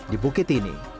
di bukit ini